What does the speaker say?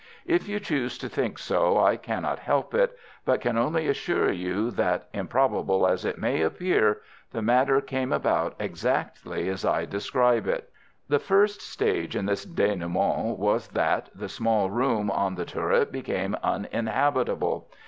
If you choose to think so I cannot help it, but can only assure you that, improbable as it may appear, the matter came about exactly as I describe it. The first stage in this dénouement was that the small room on the turret became uninhabitable.